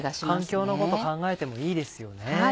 環境のこと考えてもいいですよね。